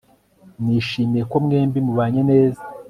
nishimiye ko mwembi mubanye neza